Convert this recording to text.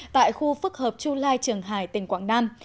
tại khu phức hợp chu lai trường hải tỉnh quảng nam